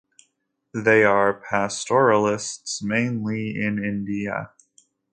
They are pastoralists mainly in India.